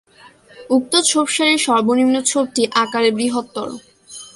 উক্ত ছোপ-সারির সর্বনিম্ন ছোপটি আকারে বৃহত্তর।